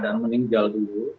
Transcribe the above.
dan meninggal dulu